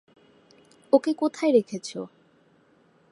ওকে কোথায় রেখেছ?